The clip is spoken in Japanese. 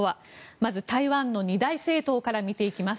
まず、台湾の二大政党から見ていきます。